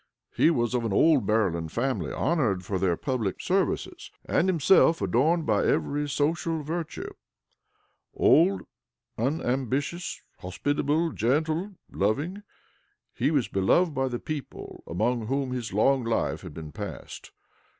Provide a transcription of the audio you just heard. He was of an old Maryland family, honored for their public services, and himself adorned by every social virtue. Old, unambitious, hospitable, gentle, loving, he was beloved by the people among whom his long life had been passed.